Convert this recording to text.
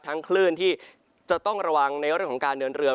คลื่นที่จะต้องระวังในเรื่องของการเดินเรือ